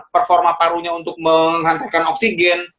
performa parunya untuk menghantarkan oksigen